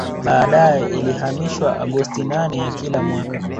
Baadae ilihamishiwa Agosti nane ya kila mwaka